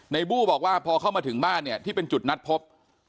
บู้บอกว่าพอเข้ามาถึงบ้านเนี่ยที่เป็นจุดนัดพบ